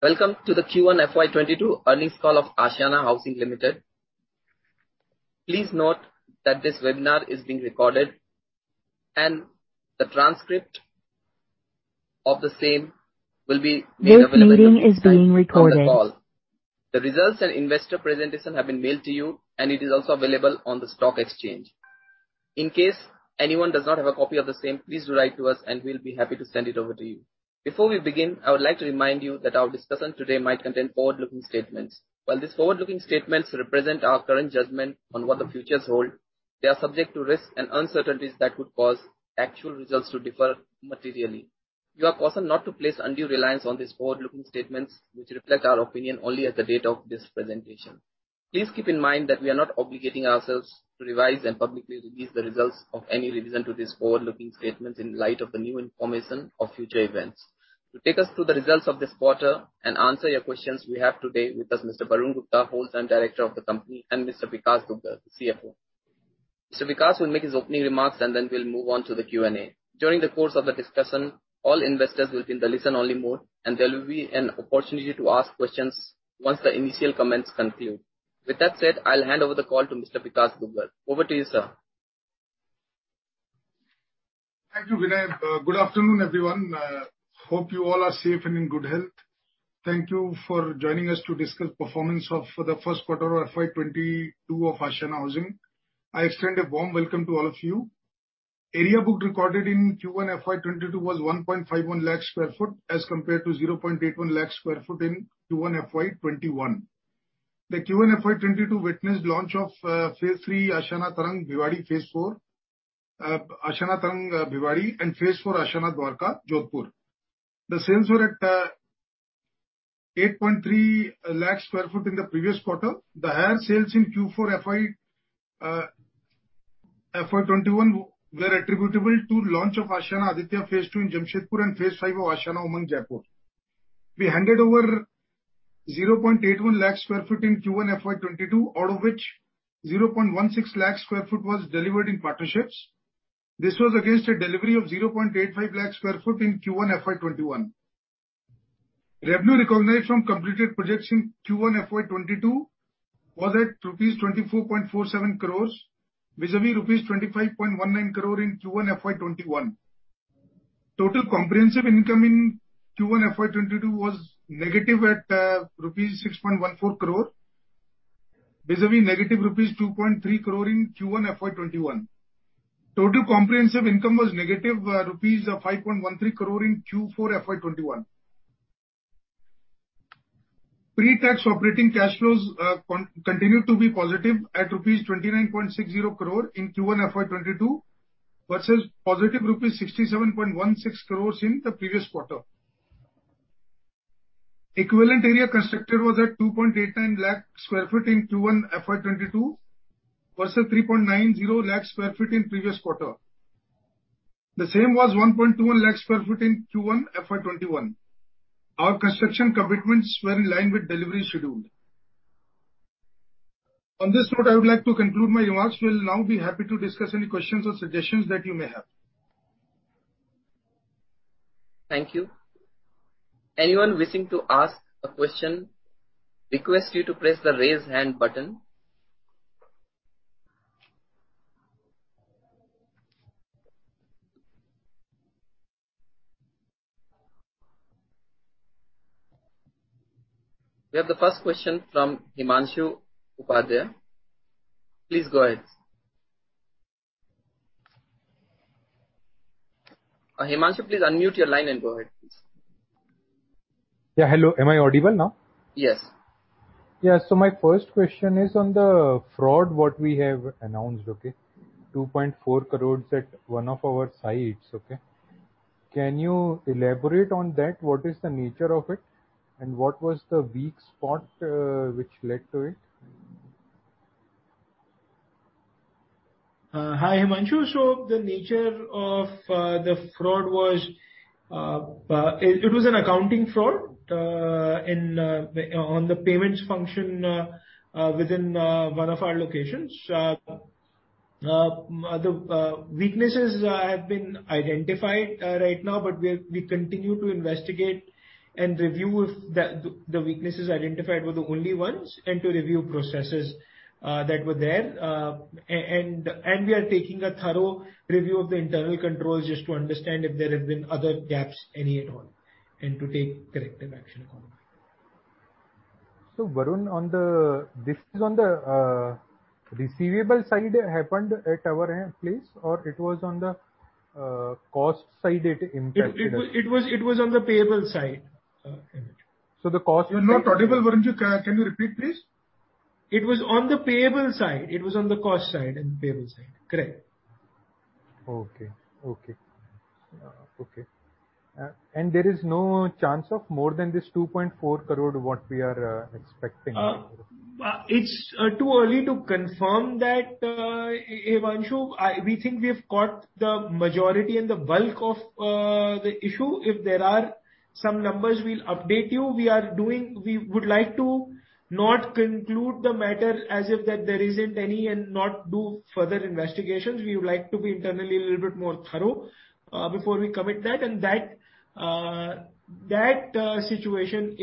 ...Welcome to the Q1 FY22 earnings call of Ashiana Housing Limited. Please note that this webinar is being recorded, and the transcript of the same will be made available- This meeting is being recorded. The results and investor presentation have been mailed to you, and it is also available on the stock exchange. In case anyone does not have a copy of the same, please write to us, and we'll be happy to send it over to you. Before we begin, I would like to remind you that our discussion today might contain forward-looking statements. While these forward-looking statements represent our current judgment on what the future holds, they are subject to risks and uncertainties that could cause actual results to differ materially. You are cautioned not to place undue reliance on these forward-looking statements, which reflect our opinion only at the date of this presentation. Please keep in mind that we are not obligating ourselves to revise and publicly release the results of any revision to these forward-looking statements in light of the new information or future events. To take us through the results of this quarter and answer your questions, we have today with us Mr. Varun Gupta, Whole Time Director of the company, and Mr. Vikash Dugar, the CFO. Mr. Vikash will make his opening remarks, and then we'll move on to the Q&A. During the course of the discussion, all investors will be in the listen-only mode, and there will be an opportunity to ask questions once the initial comments conclude. With that said, I'll hand over the call to Mr. Vikash Dugar. Over to you, sir. Thank you, Vinay. Good afternoon, everyone. Hope you all are safe and in good health. Thank you for joining us to discuss performance of the first quarter of FY 2022 of Ashiana Housing. I extend a warm welcome to all of you. Area booked recorded in Q1 FY 2022 was 1.51 lakh sq ft as compared to 0.81 lakh sq ft in Q1 FY 2021. The Q1 FY 2022 witnessed launch of phase III Ashiana Tarang, Bhiwadi, phase IV Ashiana Tarang, Bhiwadi, and phase IV Ashiana Dwarka, Jodhpur. The sales were at 8.3 lakh sq ft in the previous quarter. The higher sales in Q4 FY 2021 were attributable to launch of Ashiana Aditya, phase II in Jamshedpur and phase V of Ashiana Umang, Jaipur. We handed over 0.81 lakh sq ft in Q1 FY 2022, out of which 0.16 lakh sq ft was delivered in partnerships. This was against a delivery of 0.85 lakh sq ft in Q1 FY 2021. Revenue recognized from completed projects in Q1 FY 2022 was at INR 24.47 crore, vis-à-vis INR 25.19 crore in Q1 FY 2021. Total comprehensive income in Q1 FY 2022 was negative at rupees 6.14 crore, vis-à-vis negative rupees 2.3 crore in Q1 FY 2021. Total comprehensive income was negative rupees 5.13 crore in Q4 FY 2021. Pre-tax operating cash flows continued to be positive at rupees 29.60 crore in Q1 FY 2022, versus positive rupees 67.16 crore in the previous quarter. Equivalent area constructed was at 2.89 lakh sq ft in Q1 FY 2022, versus 3.90 lakh sq ft in previous quarter. The same was 1.21 lakh sq ft in Q1 FY 2021. Our construction commitments were in line with delivery schedule. On this note, I would like to conclude my remarks. We'll now be happy to discuss any questions or suggestions that you may have. Thank you. Anyone wishing to ask a question, request you to press the Raise Hand button. We have the first question from Himanshu Upadhyay. Please go ahead. Himanshu, please unmute your line and go ahead, please. Yeah, hello, am I audible now? Yes. Yeah, so my first question is on the fraud, what we have announced, okay? 2.4 crore at one of our sites, okay? Can you elaborate on that? What is the nature of it, and what was the weak spot, which led to it? Hi, Himanshu. So the nature of the fraud was it was an accounting fraud in on the payments function within one of our locations. The weaknesses have been identified right now, but we continue to investigate and review if the weaknesses identified were the only ones, and to review processes that were there. And we are taking a thorough review of the internal controls just to understand if there have been other gaps, any at all, and to take corrective action on them. So Varun, on the... This is on the receivable side, happened at our place, or it was on the cost side, it impacted us? It was on the payable side. So the cost- You're not audible, Varun. Can you repeat, please? It was on the payable side. It was on the cost side and payable side, correct? There is no chance of more than this 2.4 crore, what we are expecting? It's too early to confirm that, Himanshu. We think we've caught the majority and the bulk of the issue. If there are some numbers, we'll update you. We would like to not conclude the matter as if that there isn't any, and not do further investigations. We would like to be internally a little bit more thorough before we commit that. And that situation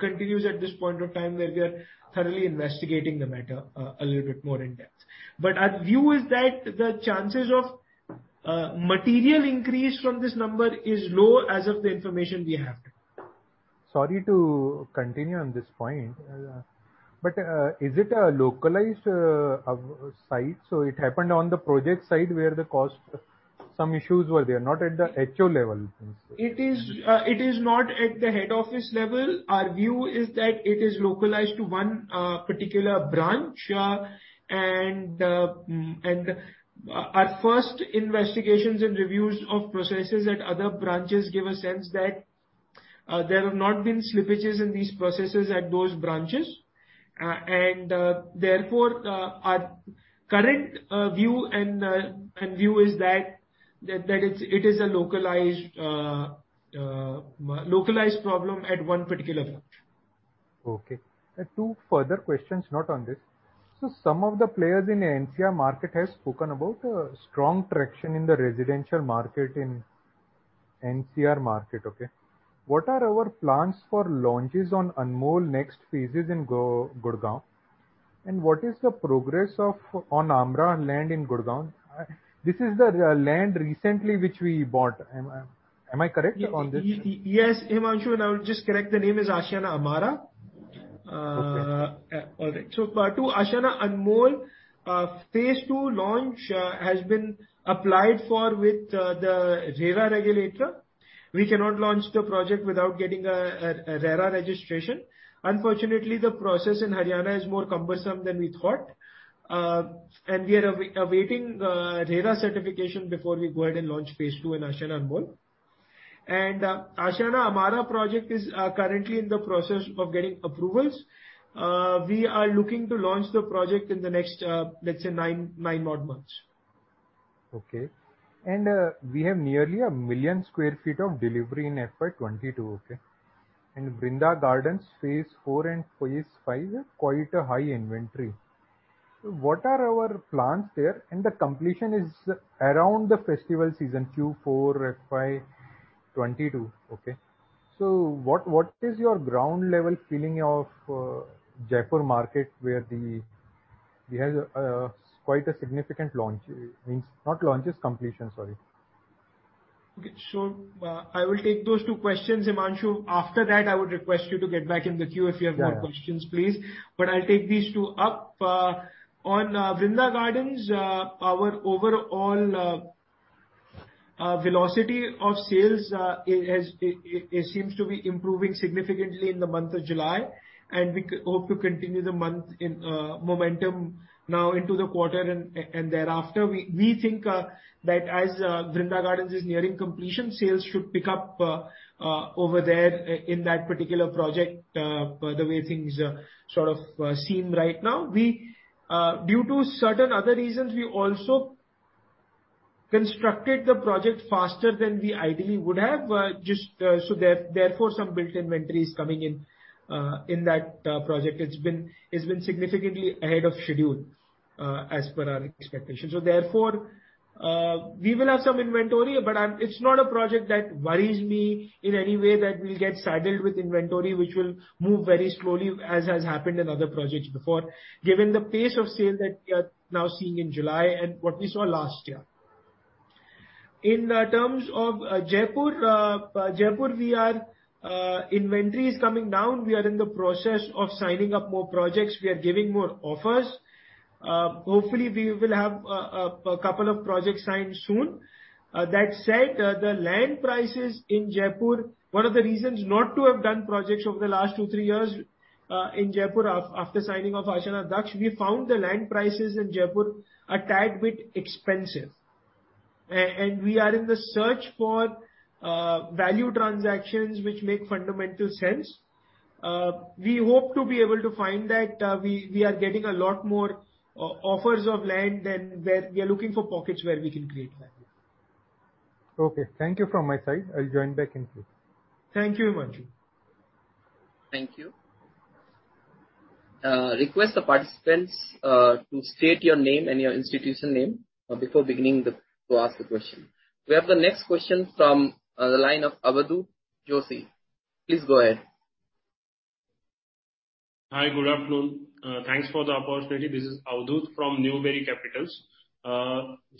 continues at this point of time, where we are thoroughly investigating the matter a little bit more in depth. But our view is that the chances of material increase from this number is low as of the information we have. Sorry to continue on this point, but, is it a localized site? So it happened on the project site, where the cost, some issues were there, not at the HO level? It is not at the head office level. Our view is that it is localized to one particular branch. And our first investigations and reviews of processes at other branches give a sense that there have not been slippages in these processes at those branches. And therefore our current view is that it is a localized problem at one particular branch. Okay. Two further questions, not on this. So some of the players in NCR market have spoken about strong traction in the residential market in NCR market, okay? What are our plans for launches on Anmol next phases in Gurgaon? And what is the progress of, on Amara land in Gurgaon? This is the land recently which we bought. Am I, am I correct on this? Yes, Himanshu, and I would just correct, the name is Ashiana Amara. Okay. All right. So part two, Ashiana Anmol, phase two launch, has been applied for with the RERA regulator. We cannot launch the project without getting a RERA registration. Unfortunately, the process in Haryana is more cumbersome than we thought. And we are awaiting the RERA certification before we go ahead and launch phase two in Ashiana Anmol. And Ashiana Amara project is currently in the process of getting approvals. We are looking to launch the project in the next, let's say, nine, nine odd months. Okay. We have nearly 1 million sq ft of delivery in FY 2022, okay? Vrinda Gardens phase IV and phase V have quite a high inventory. So what are our plans there? The completion is around the festival season, Q4, FY 2022, okay? So what, what is your ground-level feeling of Jaipur market, where we have quite a significant launch? I mean, not launches, sorry. Okay. So, I will take those two questions, Himanshu. After that, I would request you to get back in the queue if you have more questions, please. Sure. But I'll take these two up. On Vrinda Gardens, our overall velocity of sales, it seems to be improving significantly in the month of July, and we hope to continue the momentum now into the quarter and thereafter. We think that as Vrinda Gardens is nearing completion, sales should pick up over there in that particular project, by the way things sort of seem right now. Due to certain other reasons, we also constructed the project faster than we ideally would have, just so therefore, some built inventory is coming in in that project. It's been significantly ahead of schedule, as per our expectations. So therefore, we will have some inventory, but it's not a project that worries me in any way, that we'll get saddled with inventory, which will move very slowly, as happened in other projects before, given the pace of sale that we are now seeing in July, and what we saw last year. In terms of Jaipur, inventory is coming down. We are in the process of signing up more projects. We are giving more offers. Hopefully, we will have a couple of projects signed soon. That said, the land prices in Jaipur, one of the reasons not to have done projects over the last two, three years, in Jaipur after signing of Ashiana Daksh, we found the land prices in Jaipur a tad bit expensive. We are in the search for value transactions which make fundamental sense. We hope to be able to find that. We are getting a lot more offers of land than where we are looking for pockets where we can create value. Okay, thank you from my side. I'll join back in queue. Thank you, Himanshu. Thank you. Request the participants to state your name and your institution name before beginning to ask the question. We have the next question from the line of Avadhoot Joshi. Please go ahead. Hi, good afternoon. Thanks for the opportunity. This is Avadhoot from Newberry Capital.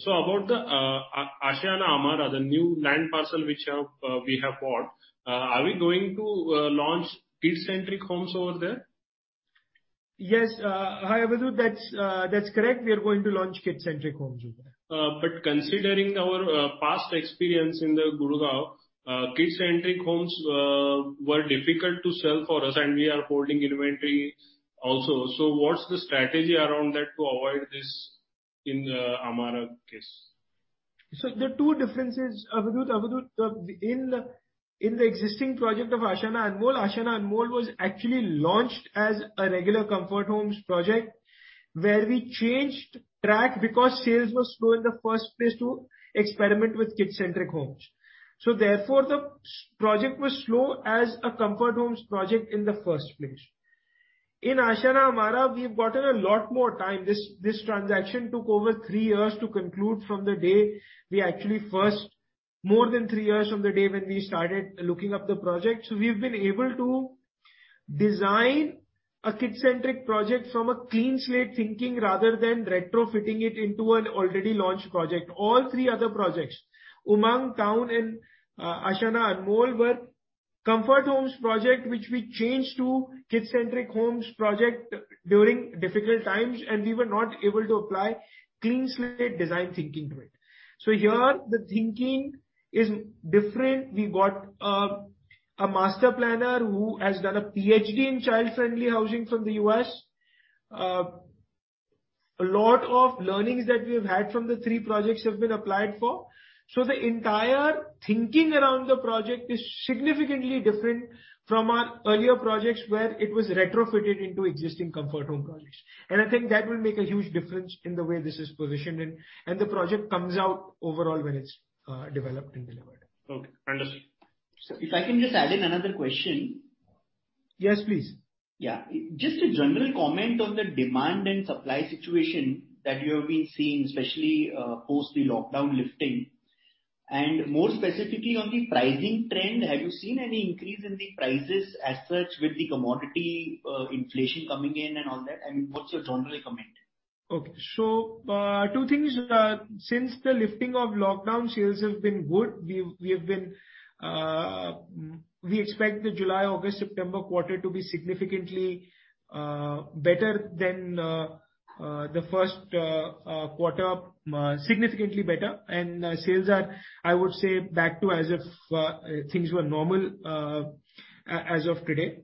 So about the Ashiana Amara, the new land parcel which we have bought, are we going to launch kid-centric homes over there? Yes, hi, Avadhoot, that's correct. We are going to launch kid-centric homes over there. But considering our past experience in the Gurgaon kid-centric homes, were difficult to sell for us, and we are holding inventory also. So what's the strategy around that to avoid this in Amara case? So there are two differences, Avadhoot. Avadhoot, in the existing project of Ashiana Anmol, Ashiana Anmol was actually launched as a regular Comfort Homes project, where we changed track because sales were slow in the first place to experiment with Kid-Centric Homes. So therefore, the project was slow as a Comfort Homes project in the first place. In Ashiana Amara, we've gotten a lot more time. This transaction took over three years to conclude from the day we actually more than three years from the day when we started looking up the project. So we've been able to design a Kid-Centric Homes project from a clean slate thinking, rather than retrofitting it into an already launched project. All three other projects, Umang, Town, and Ashiana Anmol were comfort homes project, which we changed to kid-centric homes project during difficult times, and we were not able to apply clean slate design thinking to it. So here, the thinking is different. We've got a master planner who has done a PhD in child-friendly housing from the U.S. A lot of learnings that we have had from the three projects have been applied for. So the entire thinking around the project is significantly different from our earlier projects, where it was retrofitted into existing comfort home projects. And I think that will make a huge difference in the way this is positioned and, and the project comes out overall when it's developed and delivered. Okay, understood. If I can just add in another question. Yes, please. Yeah. Just a general comment on the demand and supply situation that you have been seeing, especially post the lockdown lifting, and more specifically on the pricing trend, have you seen any increase in the prices as such with the commodity inflation coming in and all that? And what's your general comment? Okay. So, two things. Since the lifting of lockdown, sales have been good. We've, we have been... we expect the July-August-September quarter to be significantly better than the first quarter, significantly better. And sales are, I would say, back to as if things were normal, as of today.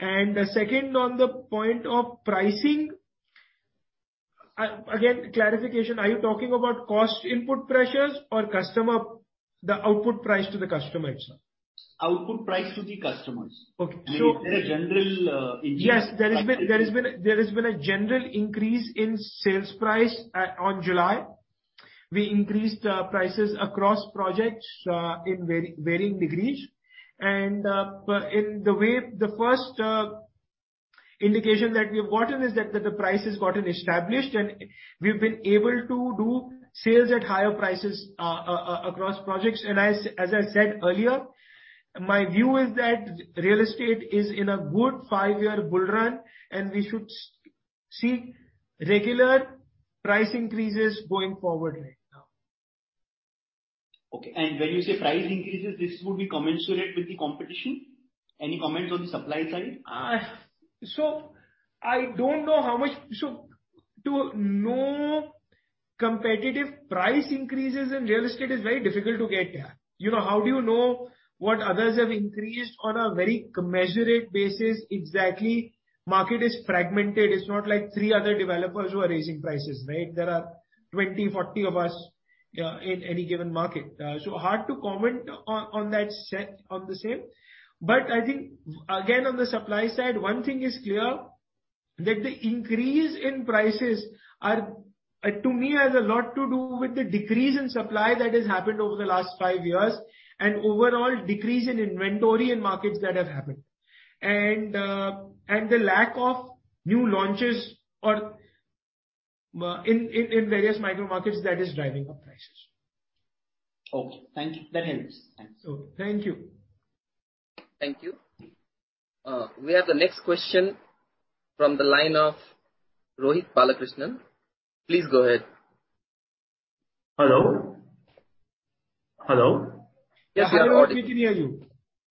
And second, on the point of pricing, again, clarification, are you talking about cost input pressures or customer, the output price to the customer itself? Output price to the customers. Okay, so- Is there a general increase- Yes, there has been a general increase in sales price as on July. We increased prices across projects in varying degrees. But anyway, the first indication that we have gotten is that the price has gotten established, and we've been able to do sales at higher prices across projects. And as I said earlier, my view is that real estate is in a good five-year bull run, and we should see regular price increases going forward right now. Okay. And when you say price increases, this would be commensurate with the competition? Any comments on the supply side? So to know competitive price increases in real estate is very difficult to get, yeah. You know, how do you know what others have increased on a very commensurate basis, exactly? Market is fragmented. It's not like three other developers who are raising prices, right? There are 20, 40 of us in any given market. So hard to comment on that, on the same. But I think, again, on the supply side, one thing is clear, that the increase in prices are to me has a lot to do with the decrease in supply that has happened over the last five years, and overall decrease in inventory in markets that have happened. And the lack of new launches or in various micro markets that is driving up prices. Okay. Thank you. That helps. Thanks. Okay. Thank you. Thank you. We have the next question from the line of Rohit Balakrishnan. Please go ahead. Hello? Hello. Yes, I can hear you.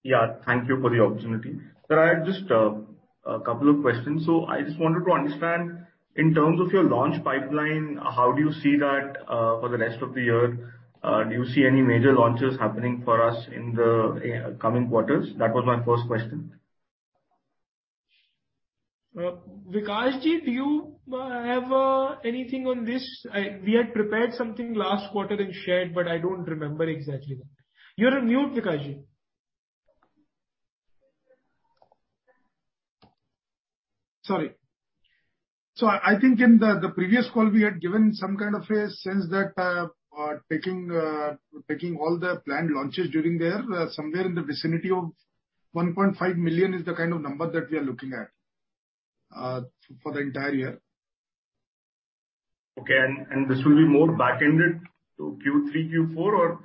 Yeah, thank you for the opportunity. Sir, I have just a couple of questions. So I just wanted to understand, in terms of your launch pipeline, how do you see that for the rest of the year? Do you see any major launches happening for us in the coming quarters? That was my first question. Vikashji, do you have anything on this? We had prepared something last quarter and shared, but I don't remember exactly. You're on mute, Vikashji. Sorry. So I think in the previous call, we had given some kind of a sense that taking all the planned launches during the year, somewhere in the vicinity of 1.5 million is the kind of number that we are looking at for the entire year. Okay. And this will be more back-ended to Q3, Q4, or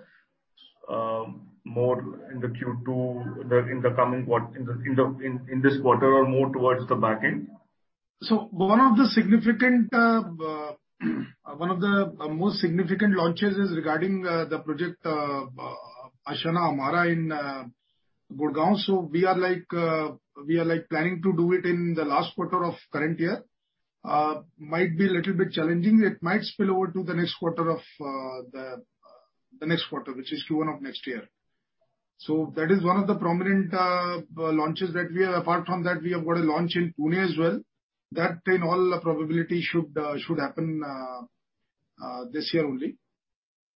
more in the Q2, in this quarter or more towards the back end? So one of the significant, one of the most significant launches is regarding the project Ashiana Amara in Gurgaon. So we are like, we are like planning to do it in the last quarter of current year. Might be little bit challenging. It might spill over to the next quarter of the next quarter, which is Q1 of next year. So that is one of the prominent launches that we have. Apart from that, we have got a launch in Pune as well. That, in all the probability, should happen this year only.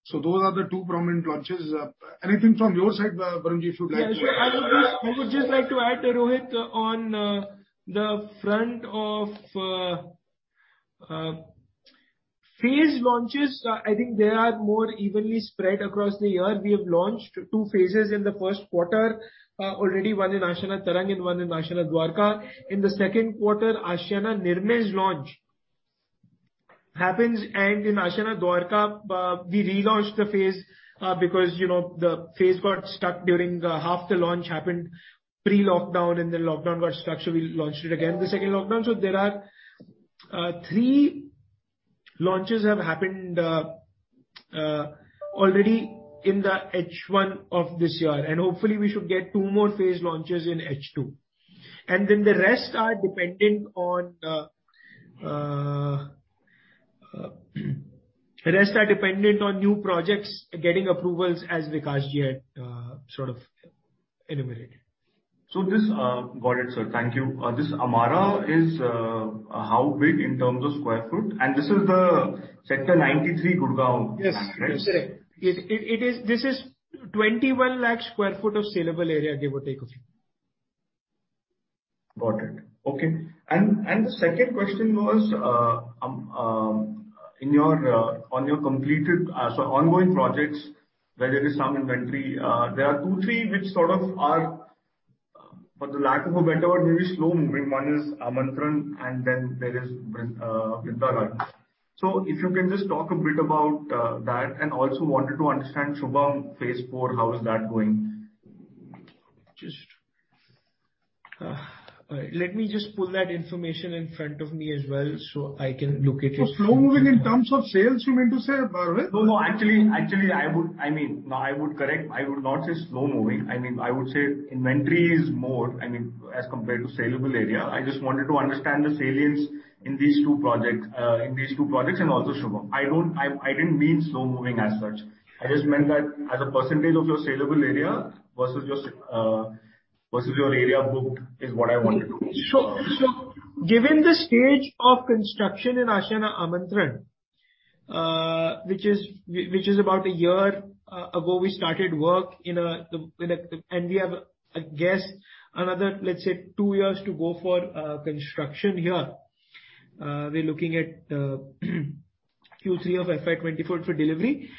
So those are the two prominent launches. Anything from your side, Varunji, if you'd like to add? Yeah. I would just, I would just like to add, Rohit, on, the front of,... Phase launches, I think they are more evenly spread across the year. We have launched two phases in the first quarter, already one in Ashiana Tarang and one in Ashiana Dwarka. In the second quarter, Ashiana Nirmay launch happens, and in Ashiana Dwarka, we relaunched the phase, because, you know, the phase got stuck during the half the launch happened pre-lockdown, and the lockdown got stuck, so we launched it again the second lockdown. So there are three launches have happened, already in the H1 of this year, and hopefully we should get two more phase launches in H2. And then the rest are dependent on the rest are dependent on new projects getting approvals, as Vikash Ji had sort of enumerated. Got it, sir. Thank you. This Amara is how big in terms of sq ft? And this is the Sector 93, Gurgaon. Yes. Right? Yes, sir. This is 21 lakh sq ft of saleable area, give or take a few. Got it. Okay. And the second question was, in your, on your completed, so ongoing projects, where there is some inventory, there are two, three which sort of are, for the lack of a better word, maybe slow moving. One is Amantran, and then there is Vrinda Gardens. So if you can just talk a bit about that, and also wanted to understand Shubham, phase four, how is that going? Just, let me just pull that information in front of me as well, so I can look at it. So slow moving in terms of sales, you mean to say, Rohit? No, no, actually, actually, I would—I mean, no, I would correct. I would not say slow moving. I mean, I would say inventory is more, I mean, as compared to saleable area. I just wanted to understand the salience in these two projects, in these two projects and also Shubham. I don't, I, I didn't mean slow moving as such. I just meant that as a percentage of your saleable area versus your—versus your area booked, is what I wanted to know. Given the stage of construction in Ashiana Amantran, which is about a year ago, we started work in a, in a. And we have, I guess, another, let's say, two years to go for construction here. We're looking at Q3 of FY 2024 for delivery.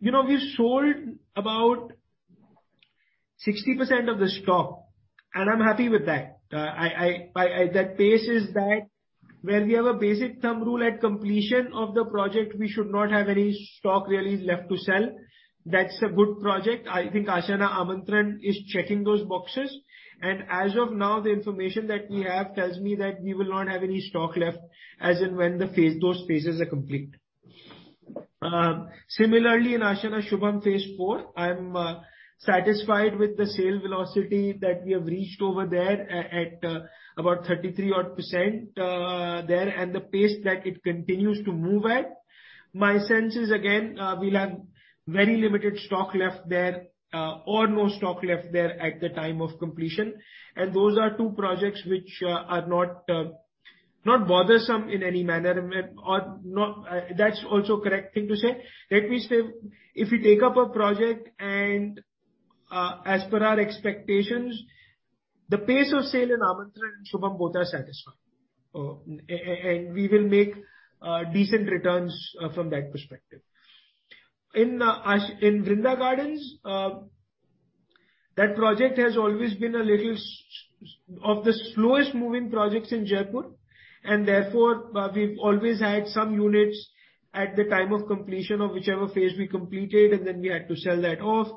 You know, we've sold about 60% of the stock, and I'm happy with that. That pace is that where we have a basic thumb rule, at completion of the project, we should not have any stock really left to sell. That's a good project. I think Ashiana Amantran is checking those boxes, and as of now, the information that we have tells me that we will not have any stock left, as and when the phase, those phases are complete. Similarly, in Ashiana Shubham, phase four, I'm satisfied with the sale velocity that we have reached over there at about 33-odd%, there, and the pace that it continues to move at. My sense is, again, we'll have very limited stock left there, or no stock left there at the time of completion, and those are two projects which are not not bothersome in any manner, or not. That's also a correct thing to say. Let me say, if you take up a project and as per our expectations, the pace of sale in Amantran and Shubham, both are satisfying. And we will make decent returns from that perspective. In Vrinda Gardens, that project has always been a little one of the slowest moving projects in Jaipur, and therefore, we've always had some units at the time of completion of whichever phase we completed, and then we had to sell that off.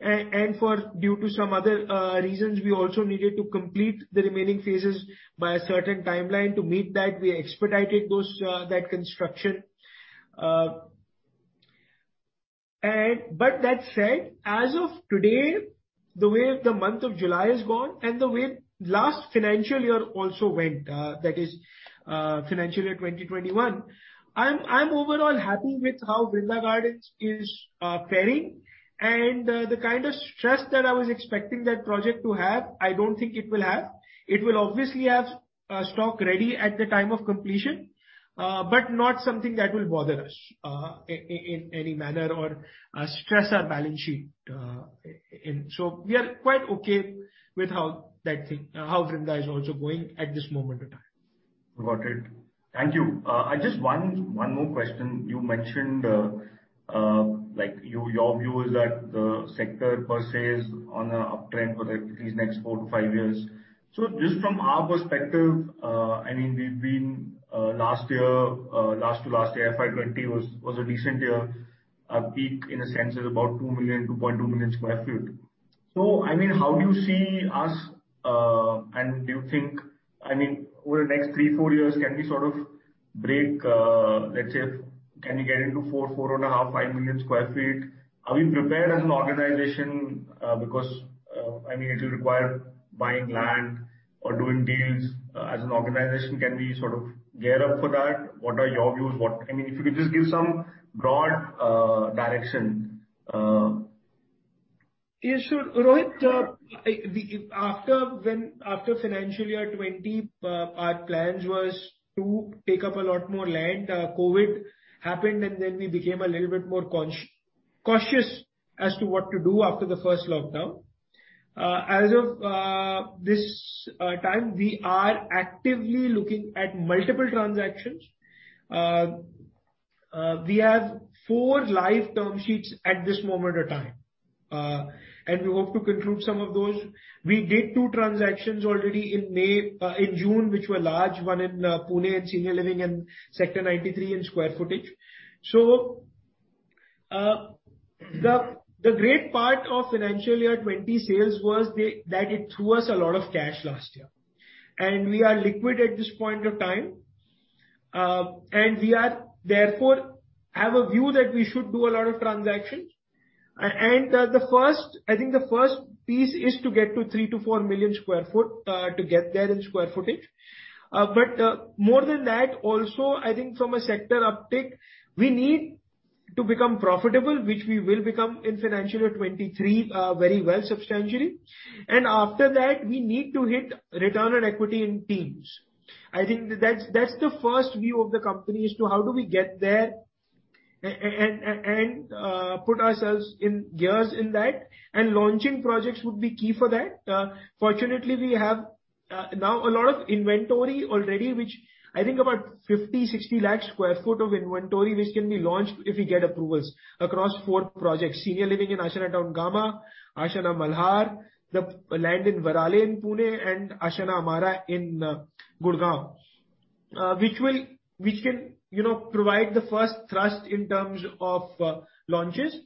And for, due to some other reasons, we also needed to complete the remaining phases by a certain timeline. To meet that, we expedited that construction. But that said, as of today, the way the month of July has gone and the way last financial year also went, that is, financial year 2021, I'm overall happy with how Vrinda Gardens is faring. And the kind of stress that I was expecting that project to have, I don't think it will have. It will obviously have stock ready at the time of completion, but not something that will bother us in any manner or stress our balance sheet in... So we are quite okay with how that thing, how Vrinda is also going at this moment in time. Got it. Thank you. And just one, one more question. You mentioned, like, your view is that the sector per se is on a uptrend for at least next four to five years. So just from our perspective, I mean, we've been, last year, last to last year, FY 2020 was, was a decent year, peak in a sense is about 2 million, 2.2 million sq ft. So, I mean, how do you see us, and do you think, I mean, over the next three, four years, can we sort of break, let's say, can we get into 4, 4.5, 5 million sq ft? Are we prepared as an organization? Because, I mean, it will require buying land or doing deals. As an organization, can we sort of gear up for that? What are your views? What, I mean, if you could just give some broad, direction, Yeah, sure. Rohit, after financial year 2020, our plans was to take up a lot more land. COVID happened, and then we became a little bit more conscious...cautious as to what to do after the first lockdown. As of this time, we are actively looking at multiple transactions. We have 4 live term sheets at this moment of time, and we hope to conclude some of those. We did 2 transactions already in May, in June, which were large, one in Pune in senior living, and Sector 93 in square footage. So, the great part of financial year 2020 sales was that it threw us a lot of cash last year, and we are liquid at this point of time. And we are therefore have a view that we should do a lot of transactions. And the first, I think the first piece is to get to 3-4 million sq ft to get there in square footage. But more than that, also, I think from a sector uptick, we need to become profitable, which we will become in financial year 2023 very well, substantially. And after that, we need to hit Return on Equity in teens. I think that's the first view of the company, as to how do we get there and put ourselves in gear in that, and launching projects would be key for that. Fortunately, we have now a lot of inventory already, which I think about 50-60 lakh sq ft of inventory, which can be launched if we get approvals across four projects: senior living in Ashiana Town Gamma, Ashiana Malhar, the land in Varale in Pune, and Ashiana Amara in Gurgaon. Which can, you know, provide the first thrust in terms of launches.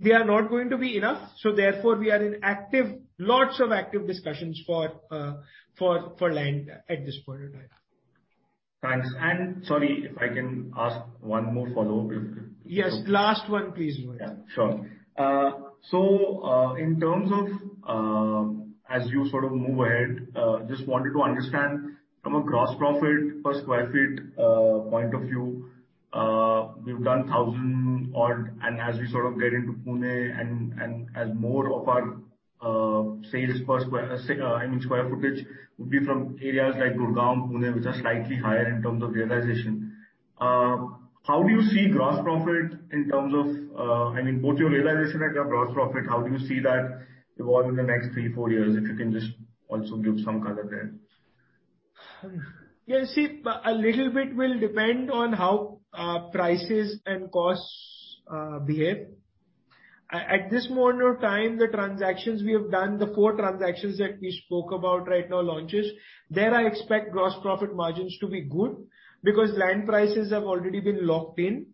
They are not going to be enough, so therefore, we are in active... lots of active discussions for land at this point in time. Thanks. And sorry, if I can ask one more follow-up? Yes, last one, please, Rohit. Yeah, sure. So, in terms of, as you sort of move ahead, just wanted to understand from a gross profit per sq ft point of view, we've done 1,000 odd, and as we sort of get into Pune and as more of our sales per square, I mean, square footage, would be from areas like Gurgaon, Pune, which are slightly higher in terms of realization. How do you see gross profit in terms of, I mean, both your realization and your gross profit, how do you see that evolve in the next 3-4 years? If you can just also give some color there. Yeah, you see, a little bit will depend on how prices and costs behave. At this moment of time, the transactions we have done, the four transactions that we spoke about right now, launches, there I expect gross profit margins to be good, because land prices have already been locked in,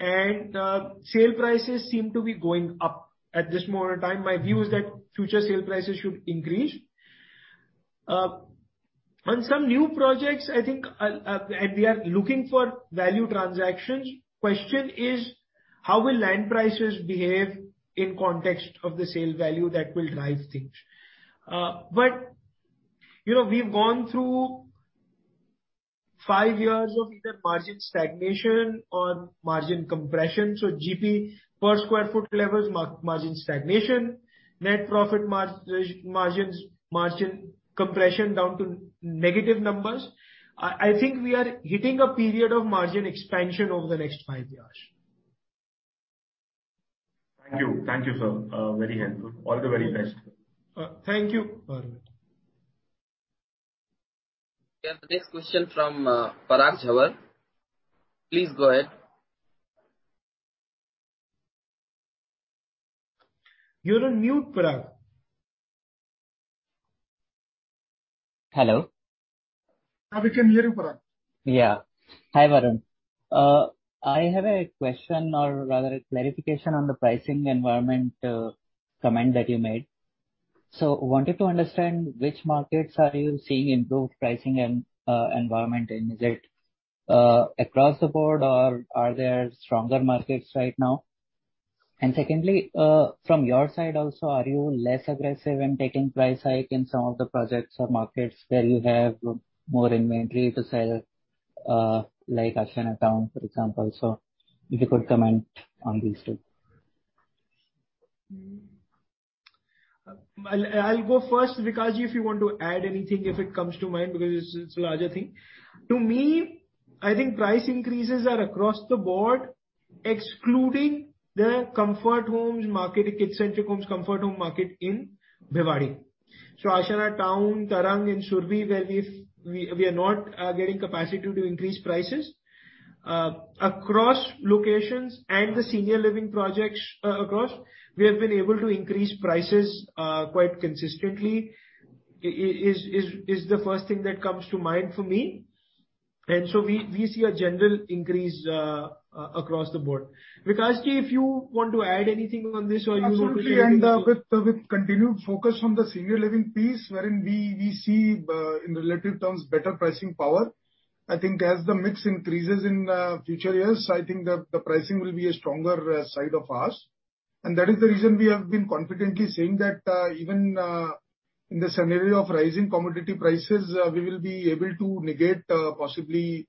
and sale prices seem to be going up at this moment in time. My view is that future sale prices should increase. On some new projects, I think, and we are looking for value transactions. Question is: How will land prices behave in context of the sale value that will drive things? But, you know, we've gone through five years of either margin stagnation or margin compression, so GP per sq ft levels, margin stagnation, net profit margins, margin compression down to negative numbers. I think we are hitting a period of margin expansion over the next five years. Thank you. Thank you, sir. Very helpful. All the very best. Thank you, Rohit. We have the next question from, Parag Jhawar. Please go ahead. You're on mute, Parag. Hello? Now we can hear you, Parag. Yeah. Hi, Varun. I have a question, or rather a clarification on the pricing environment comment that you made. So wanted to understand which markets are you seeing improved pricing and environment, and is it across the board, or are there stronger markets right now? And secondly, from your side, also, are you less aggressive in taking price hike in some of the projects or markets where you have more inventory to sell, like Ashiana Town, for example. So if you could comment on these two. I'll go first, Vikashji, if you want to add anything, if it comes to mind, because it's a larger thing. To me, I think price increases are across the board, excluding the comfort homes market, kid-centric homes, comfort home market in Bhiwadi. So Ashiana Town, Tarang and Surbhi, where we are not getting capacity to increase prices. Across locations and the senior living projects, we have been able to increase prices quite consistently. Is the first thing that comes to mind for me. And so we see a general increase across the board. Vikashji, if you want to add anything on this or you- Absolutely, and with continued focus on the senior living piece, wherein we see in relative terms better pricing power. I think as the mix increases in future years, I think the pricing will be a stronger side of ours. And that is the reason we have been confidently saying that even in the scenario of rising commodity prices we will be able to negate possibly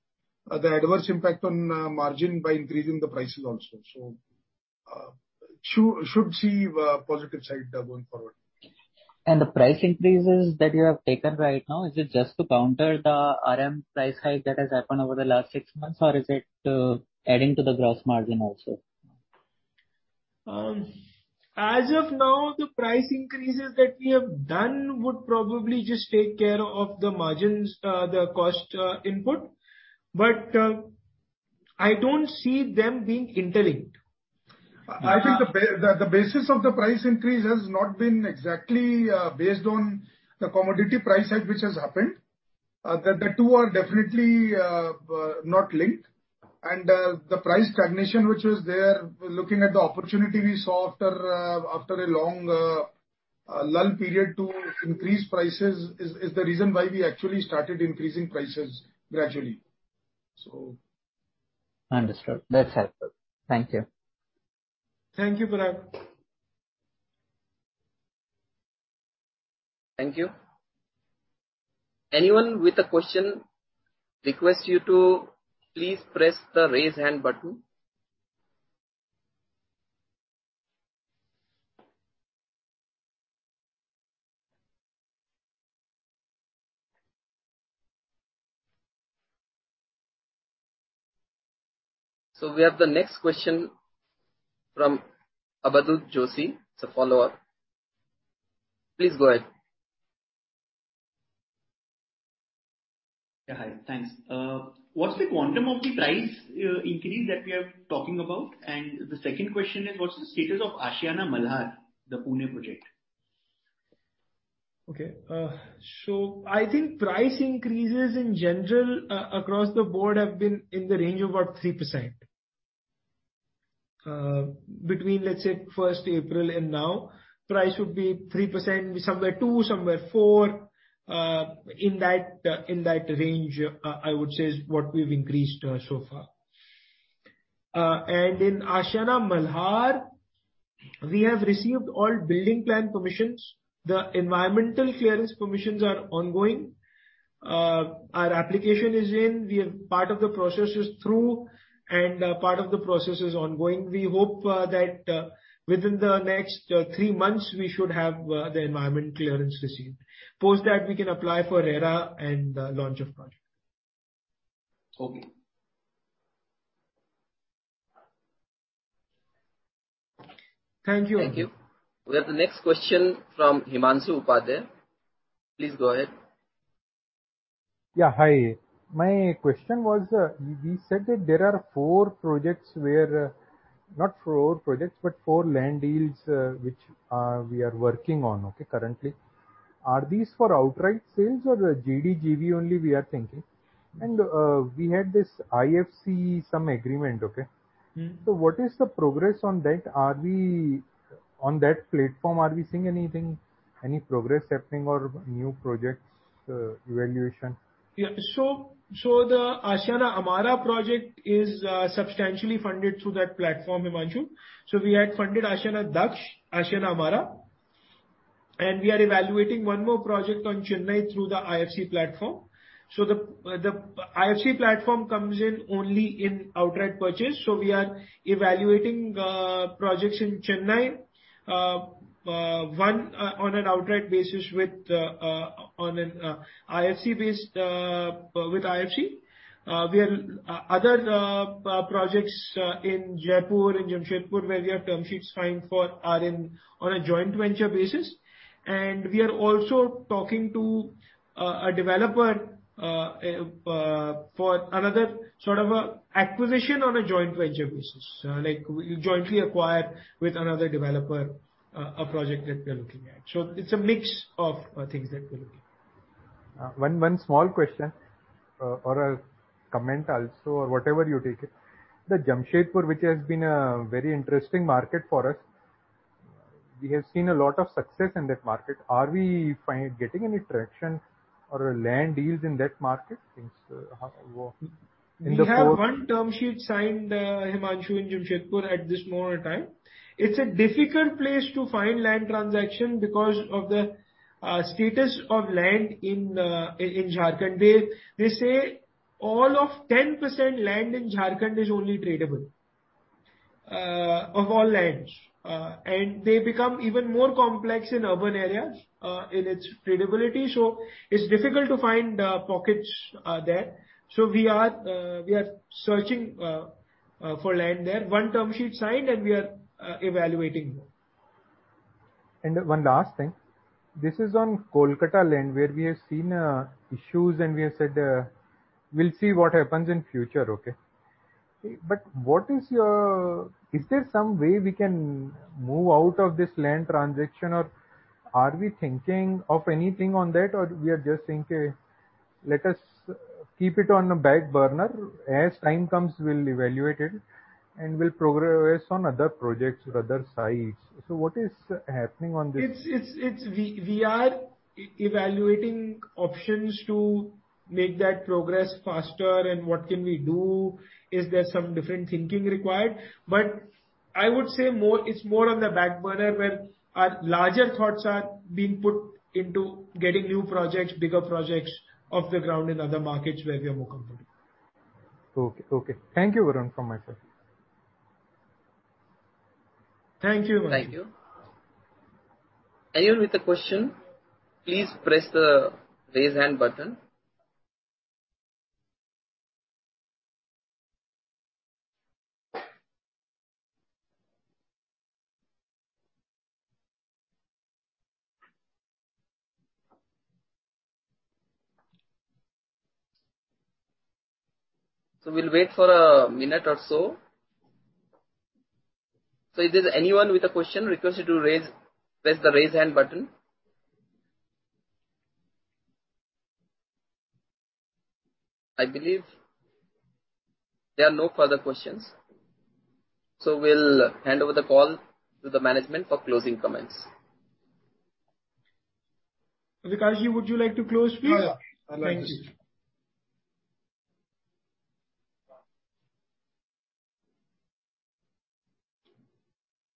the adverse impact on margin by increasing the prices also. So should see positive side going forward.... The price increases that you have taken right now, is it just to counter the RM price hike that has happened over the last six months, or is it adding to the gross margin also? As of now, the price increases that we have done would probably just take care of the margins, the cost input, but I don't see them being interlinked. I think the basis of the price increase has not been exactly based on the commodity price hike which has happened. The two are definitely not linked. And the price stagnation, which was there, looking at the opportunity we saw after a long lull period to increase prices is the reason why we actually started increasing prices gradually, so. Understood. That's helpful. Thank you. Thank you, Praveen. Thank you. Anyone with a question, request you to please press the Raise Hand button. We have the next question from Abhijit Joshi. It's a follow-up. Please go ahead. Yeah, hi. Thanks. What's the quantum of the price increase that we are talking about? And the second question is, what's the status of Ashiana Malhar, the Pune project? Okay, so I think price increases in general across the board have been in the range of about 3%. Between, let's say, first April and now, price would be 3%, somewhere 2, somewhere 4, in that, in that range, I would say is what we've increased so far. And in Ashiana Malhar, we have received all building plan permissions. The environmental clearance permissions are ongoing. Our application is in, we have part of the process is through, and part of the process is ongoing. We hope that within the next three months, we should have the environmental clearance received. Post that, we can apply for RERA and the launch of project. Okay. Thank you. Thank you. We have the next question from Himanshu Upadhyay. Please go ahead. Yeah, hi. My question was, you said that there are four projects where not four projects, but four land deals, which we are working on, okay, currently. Are these for outright sales or GD, GV only we are thinking? And we had this IFC some agreement, okay? Mm-hmm. What is the progress on that? Are we on that platform, are we seeing anything, any progress happening or new projects, evaluation? Yeah. So the Ashiana Amara project is substantially funded through that platform, Himanshu. So we had funded Ashiana Daksh, Ashiana Amara, and we are evaluating one more project on Chennai through the IFC platform. So the IFC platform comes in only in outright purchase, so we are evaluating projects in Chennai, one on an outright basis with on an IFC-based with IFC. We are other projects in Jaipur and Jamshedpur, where we have term sheets signed for, are in on a joint venture basis. And we are also talking to a developer for another sort of a acquisition on a joint venture basis. Like we jointly acquire with another developer, a project that we are looking at. It's a mix of things that we are looking at. One small question, or a comment also, or whatever you take it. The Jamshedpur, which has been a very interesting market for us, we have seen a lot of success in that market. Are we getting any traction or land deals in that market since, how, in the four- We have one term sheet signed, Himanshu, in Jamshedpur at this moment in time. It's a difficult place to find land transaction because of the status of land in Jharkhand. They say all of 10% land in Jharkhand is only tradable of all lands. And they become even more complex in urban areas in its tradability, so it's difficult to find pockets there. So we are searching for land there. One term sheet signed, and we are evaluating. And one last thing: This is on Kolkata land, where we have seen issues and we have said, "We'll see what happens in future," okay? But what is your... Is there some way we can move out of this land transaction, or are we thinking of anything on that, or we are just thinking, "Let us keep it on the back burner. As time comes, we'll evaluate it, and we'll progress on other projects or other sites"? So what is happening on this? It's, we are evaluating options to make that progress faster, and what can we do? Is there some different thinking required? But I would say more, it's more on the back burner, where our larger thoughts are being put into getting new projects, bigger projects, off the ground in other markets where we are more comfortable. Okay, okay. Thank you, Varun, from my side. Thank you. Thank you. Anyone with a question, please press the Raise Hand button. We'll wait for a minute or so. Is there anyone with a question? Request you to raise, press the Raise Hand button. I believe there are no further questions, so we'll hand over the call to the management for closing comments. Vikash, would you like to close, please? Yeah, yeah. I'd like to close. Thank you.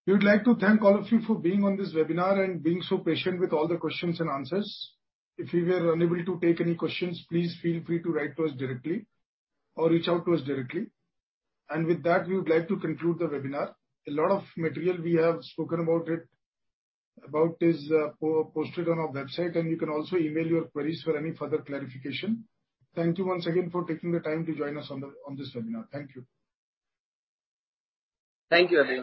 We would like to thank all of you for being on this webinar and being so patient with all the questions and answers. If we were unable to take any questions, please feel free to write to us directly or reach out to us directly. And with that, we would like to conclude the webinar. A lot of material we have spoken about it, about is posted on our website, and you can also email your queries for any further clarification. Thank you once again for taking the time to join us on the, on this webinar. Thank you. Thank you, Vikash.